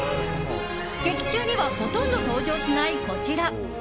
劇中にはほとんど登場しない、こちら。